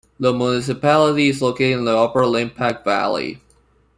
The municipality is located in the upper Limpach valley.